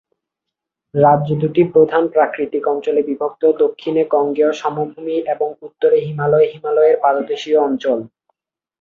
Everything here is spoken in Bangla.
রাজ্যটি দু-টি প্রধান প্রাকৃতিক অঞ্চলে বিভক্ত: দক্ষিণে গাঙ্গেয় সমভূমি এবং উত্তরে হিমালয় ও হিমালয়ের পাদদেশীয় অঞ্চল।